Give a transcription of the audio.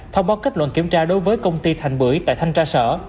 thông báo kết luận kiểm tra đối với công ty thành bưởi tại thanh tra sở